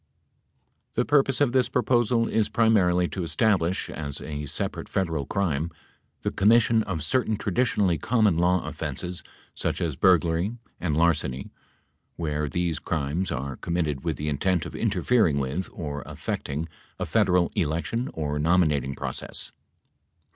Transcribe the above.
The purpose of this proposal is primarily to establish, as a separate Federal crime, the commission of certain traditionally common law offenses such as burglary and larceny where these crimes are committed with the intent of interfering with or affecting a Federal election or nominating process.